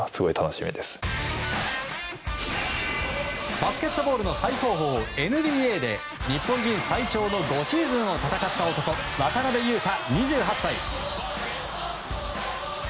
バスケットボールの最高峰ＮＢＡで日本人最長の５シーズンを戦った男渡邊雄太、２８歳。